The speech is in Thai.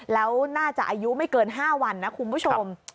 แล้วน่าจะอายุไม่เกิน๕วันนะคุณผู้ชม